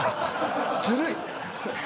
ずるい